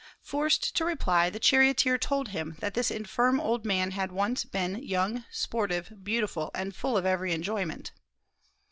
Forced to reply, the charioteer told him that this infirm old man had once been young, sportive, beautiful, and full of every enjoyment.